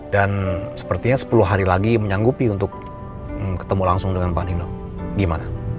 dan sepertinya sepuluh hari lagi menyanggupi untuk ketemu langsung dengan pak nino gimana